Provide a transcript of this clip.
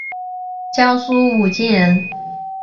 江苏武进人。